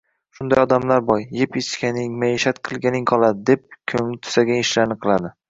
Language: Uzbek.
Shunday odamlar bor, “Yeb-ichganing, maishat qilganing qoladi”, deb ko‘ngli tusagan ishlarni qiladi.